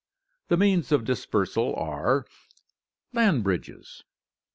The means of dispersal are: Land Bridges.